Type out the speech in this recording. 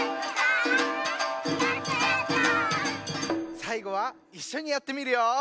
さいごはいっしょにやってみるよ！